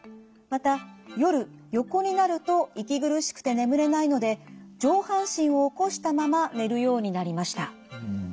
また夜横になると息苦しくて眠れないので上半身を起こしたまま寝るようになりました。